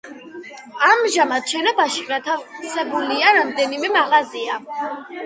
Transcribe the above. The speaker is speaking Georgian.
ამჟამად შენობაში განთავსებულია რამდენიმე მაღაზია.